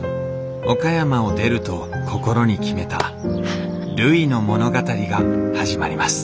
岡山を出ると心に決めたるいの物語が始まります